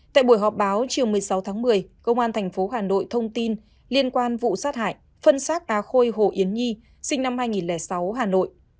tại buổi họp báo chiều một mươi sáu tháng một mươi công an tp hà nội thông tin liên quan vụ sát hại phân xác á khôi hồ yến nhi sinh năm hai nghìn sáu hà nội